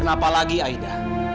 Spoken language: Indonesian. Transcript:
kenapa lagi aida